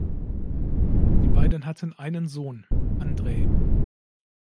Die beiden hatten einen Sohn, Andrzej.